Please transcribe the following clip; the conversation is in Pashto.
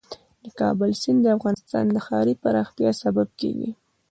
د کابل سیند د افغانستان د ښاري پراختیا سبب کېږي.